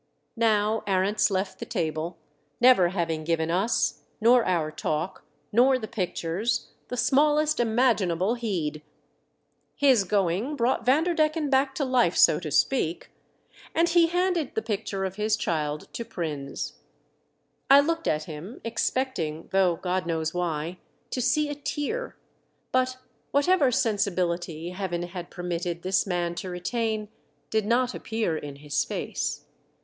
Now Arents left the table, never having given us, nor our talk, nor the pictures, the smallest imaginable heed. His going brought Vanderdecken back to life, so to speak ; and he handed the picture of his child to Prins. I looked at him, expecting, though God knows why, to see a tear. But whatever sensibility Heaven had permitted this man to retain did not appear in his face.